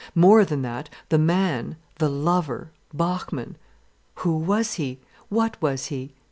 More than that, the man, the lover, Bachmann, who was he, what was he?